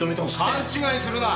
勘違いするな！